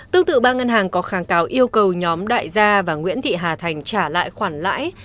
tương tự ba ngân hàng có kháng cáo yêu cầu nhóm đại gia và nguyễn thị hà thành trả lại khoản lãi